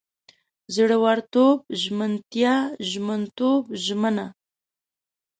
زړورتوب، ژمنتیا، ژمنتوب، ژمنه